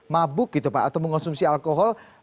mabuk gitu pak atau mengonsumsi alkohol